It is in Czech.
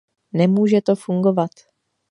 Nemůže to fungovat.